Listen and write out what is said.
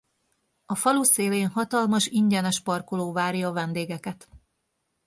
A falu szélén hatalmas ingyenes parkoló várja a vendégeket.